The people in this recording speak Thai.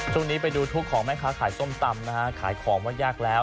ช่วงนี้ไปดูทุกข์ของแม่ค้าขายส้มตำนะฮะขายของว่ายากแล้ว